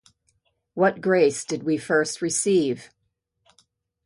What grace did we first receive?